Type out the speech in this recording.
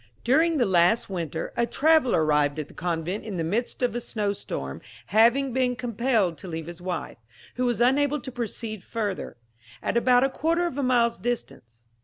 During the last winter, a traveller arrived at the convent in the midst of a snow storm, having been compelled to leave his wife, who was unable to proceed further, at about a quarter of a mile's distance.